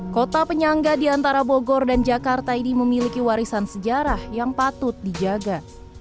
kota penyangga di antara bogor dan jakarta ini memiliki warisan sejarah yang patut dijaga